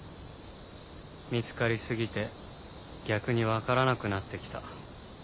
見つかりすぎて逆に分からなくなってきた。